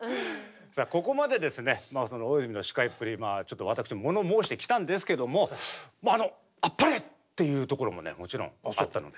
さあここまでですね大泉の司会っぷり私もの申してきたんですけどもあっぱれっていうところももちろんあったので。